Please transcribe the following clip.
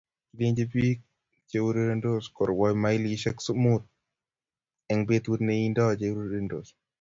Kilenji biik cheurerensot korwai mailishek muut eng betut neindoi cheurerensot